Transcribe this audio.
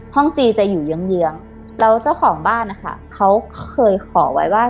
จีจะอยู่เยื้องแล้วเจ้าของบ้านนะคะเขาเคยขอไว้ว่า